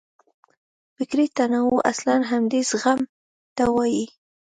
فکري تنوع اصلاً همدې زغم ته وایي.